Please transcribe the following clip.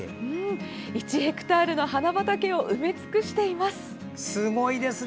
１ヘクタールの花畑を埋め尽くしています。